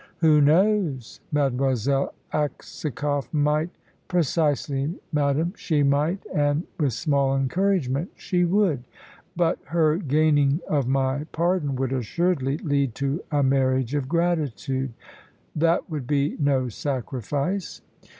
"Who knows? Mademoiselle Aksakoff might " "Precisely, madame. She might, and, with small encouragement, she would. But her gaining of my pardon would assuredly lead to a marriage of gratitude." "That would be no sacrifice."